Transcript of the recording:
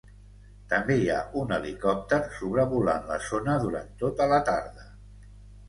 També hi ha un helicòpter sobrevolant la zona durant tota la tarda.